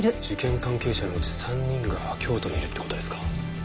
事件関係者のうち３人が京都にいるって事ですか。